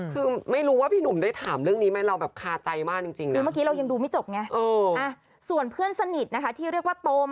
คุณซีตี่โน้มได้ถามเรื่องนี้ไหมเราแบบคาใจมากจริงจริงเออ